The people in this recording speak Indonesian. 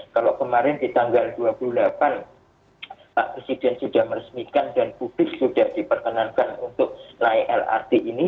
kalau kemarin di tanggal dua puluh delapan pak presiden sudah meresmikan dan publik sudah diperkenankan untuk naik lrt ini